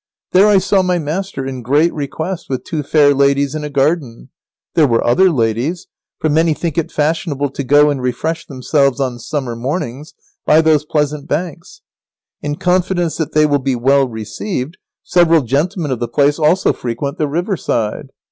There I saw my master in great request with two fair ladies in a garden. There were other ladies, for many think it fashionable to go and refresh themselves on summer mornings by those pleasant banks. In confidence that they will be well received, several gentlemen of the place also frequent the river side.